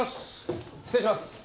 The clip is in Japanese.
失礼します。